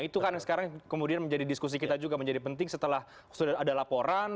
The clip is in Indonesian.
itu kan yang sekarang kemudian menjadi diskusi kita juga menjadi penting setelah sudah ada laporan